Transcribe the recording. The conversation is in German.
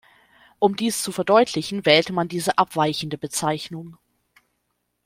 Um dies zu verdeutlichen wählte man diese abweichende Bezeichnung.